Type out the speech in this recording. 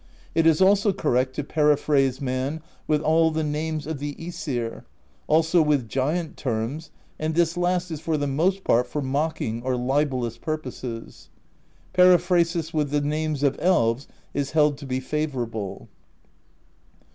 It is also correct to periphrase man with all the names of the ^Esir; also with giant terms, and this last is for the most part for mocking or libellous purposes. Periphrasis with the names of elves is held to be favorable.